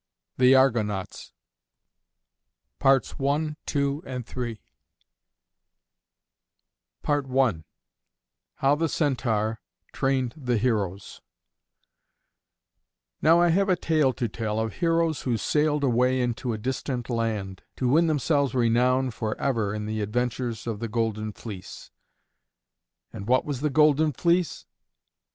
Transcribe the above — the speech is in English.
THE ARGONAUTS ADAPTED BY MARY MACGREGOR I HOW THE CENTAUR TRAINED THE HEROES Now I have a tale to tell of heroes who sailed away into a distant land, to win themselves renown for ever in the adventures of the Golden Fleece. And what was the Golden Fleece?